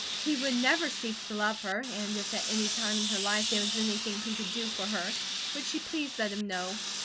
He would never cease to love her, and if at any time in her life there was anything he could do for her, would she please let him know.